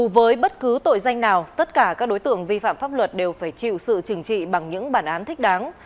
với bất cứ tội danh nào tất cả các đối tượng vi phạm pháp luật đều phải chịu sự trừng trị bằng những bản án thích đáng